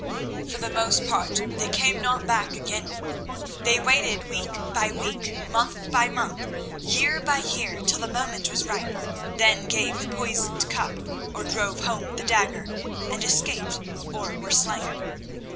For the most part they came not back again; they waited week by week, month by month, year by year, till the moment was ripe, then gave the poisoned cup or drove home the dagger, and escaped or were slain.